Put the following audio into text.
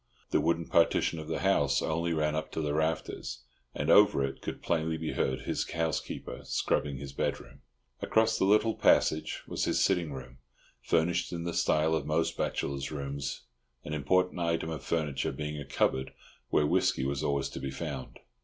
The wooden partition of the house only ran up to the rafters, and over it could plainly be heard his housekeeper scrubbing his bedroom. Across the little passage was his sitting room, furnished in the style of most bachelors' rooms, an important item of furniture being a cupboard where whisky was always to be found.